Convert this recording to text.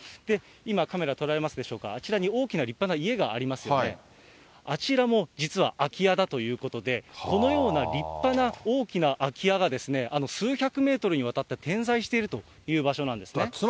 今、カメラ捉えられますでしょうか、あちらに大きな立派な家がありますよね、あちらも実は空き家だということで、このような立派な大きな空き家がですね、数百メートルにわたって点在しているという場所なんですね。